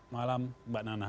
malam mbak nana